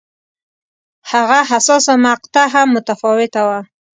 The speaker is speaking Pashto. هغه حساسه مقطعه هم متفاوته وه.